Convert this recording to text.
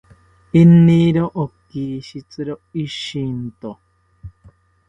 Iniro okishitziro ishinto